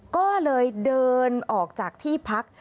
ก็เลยเดินออกจากที่พัก